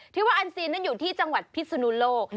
ที่ว่าอันซีนนั้นอยู่ที่จังหวัดพิศนุโลก